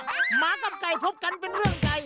หมากับไก่ทบกันเป็นเรื่องไก่